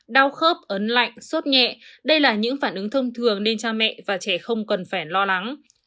đau khớp ấn lạnh sốt nhẹ đây là những phản ứng thông thường nên cha mẹ và trẻ không cần phải lo lắng